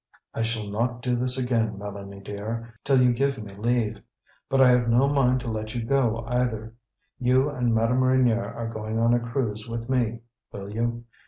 "I shall not do this again, Mélanie dear, till you give me leave. But I have no mind to let you go, either. You and Madame Reynier are going on a cruise with me; will you?